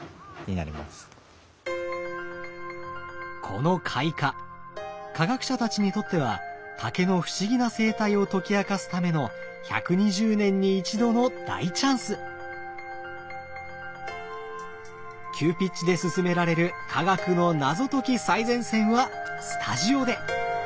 この開花科学者たちにとっては竹の不思議な生態を解き明かすための急ピッチで進められる科学の謎解き最前線はスタジオで！